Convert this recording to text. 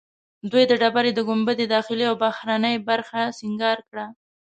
دوی د ډبرې د ګنبد داخلي او بهرنۍ برخه سنګار کړه.